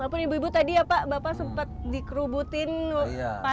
walaupun ibu ibu tadi ya pak bapak sempat dikerubutin